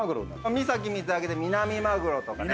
三崎水揚げでミナミマグロとかね。